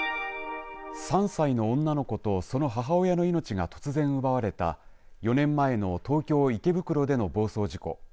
３歳の女の子とその母親の命が突然奪われた４年前の東京・池袋での暴走事故。